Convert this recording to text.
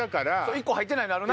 １個入ってないのあるな。